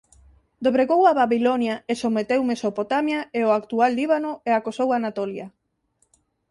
Dobregou a Babilonia e someteu Mesopotamia e o actual Líbano e acosou Anatolia.